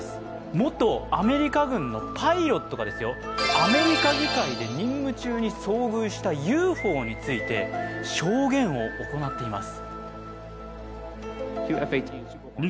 元アメリカ軍のパイロットがアメリカ議会で任務中に遭遇したＵＦＯについて証言を行っています。